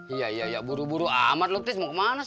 iya iya iya buru buru amat loh tis mau kemana sih